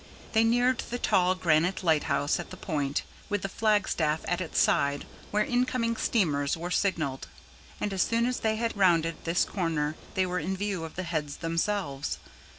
They neared the tall, granite lighthouse at the point, with the flagstaff at its side where incoming steamers were signalled; and as soon as they had rounded this corner they were in view of the Heads themselves.